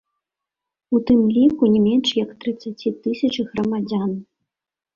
У тым ліку не менш як трыдцацці тысяч грамадзян.